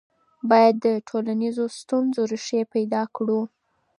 باید د ټولنیزو ستونزو ریښې پیدا کړو.